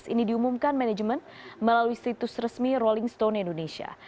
ini diumumkan manajemen melalui situs resmi rolling stone indonesia